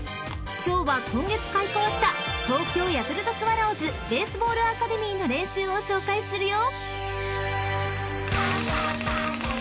今日は今月開校した東京ヤクルトスワローズベースボールアカデミーの練習を紹介するよ］